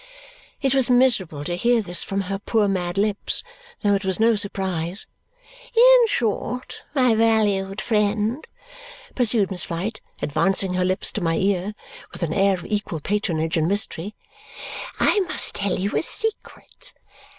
It was miserable to hear this from her poor mad lips, though it was no surprise. "In short, my valued friend," pursued Miss Flite, advancing her lips to my ear with an air of equal patronage and mystery, "I must tell you a secret.